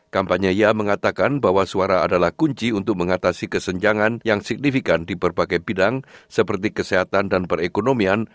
kampanye ia mengatakan bahwa suara adalah kunci untuk mengatasi kesenjangan yang signifikan di berbagai bidang seperti kesehatan dan perekonomian